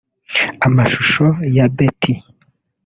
Amashusho ya ‘Betty’